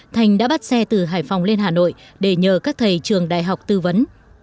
thành đã bắt xe từ hải phòng lên hà nội để nhờ các thầy trường đại học tư vấn